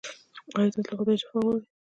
ایا تاسو له خدایه شفا غواړئ؟